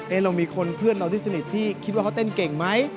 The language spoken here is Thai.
เรามีคนเพื่อนเราที่สนิทที่คิดว่าเขาเต้นเก่งไหม